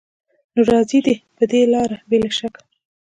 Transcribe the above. نو راځي دې پر دې لاره بې له شکه